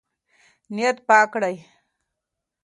نیت پاک کړئ.